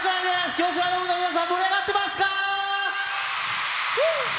京セラドームの皆さん、盛り上がってますか？